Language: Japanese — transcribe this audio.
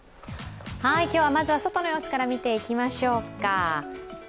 今日はまずは外の様子から見ていきましょうか。